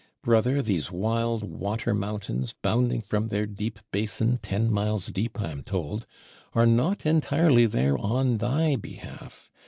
Brother, these wild water mountains, bounding from their deep basin (ten miles deep, I am told), are not entirely there on thy behalf!